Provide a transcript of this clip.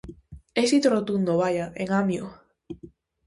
Éxito rotundo, vaia, en Amio.